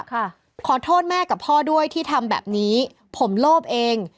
ขอโทษแม่กับพ่อด้วยที่ทำแบบนี้ผมโลภเอง